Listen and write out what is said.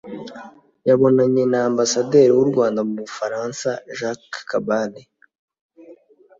yanabonanye na Ambasaderi w’u Rwanda mu Bufaransa Jacques Kabale